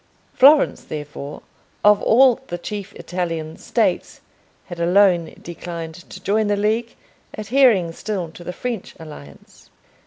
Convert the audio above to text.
Florence, therefore, of all the chief Italian States, had alone declined to join the League, adhering still to the French alliance.